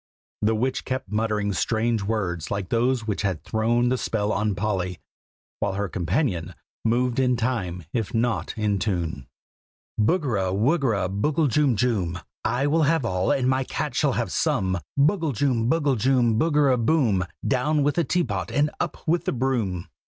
The witch kept muttering strange words like those which had thrown the spell on Polly; while her companion moved in time if not in tune. "Buggara wuggara, boogle jum jum! I will have all, and my cat shall have some. Boogle jum! boogle jmm! buggara boom! Down with the teapot and up with the broom!"